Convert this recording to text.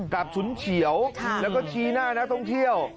ฉุนเฉียวแล้วก็ชี้หน้านักท่องเที่ยว